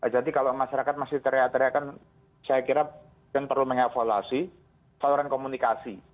jadi kalau masyarakat masih teriak teriakan saya kira mungkin perlu mengevaluasi saluran komunikasi